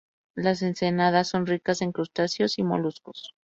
Las ensenadas son ricas en crustáceos y moluscos.